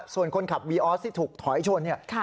ส่วนคนขับวีออสที่ถูกถอยชนเนี่ย